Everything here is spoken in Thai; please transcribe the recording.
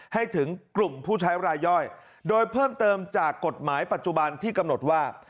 ให้ถึงกลุ่มผู้ใช้รายย่อยโดยเพิ่มเติมจากกฎหมายปัจจุบันที่กำหนดว่า